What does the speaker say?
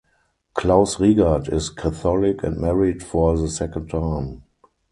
Klaus Riegert is Catholic and married for the second time.